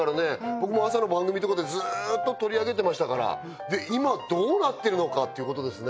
僕も朝の番組とかでずっと取り上げてましたから今どうなっているのかということですね